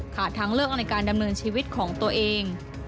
ทางเลือกในการดำเนินชีวิตของตัวเอง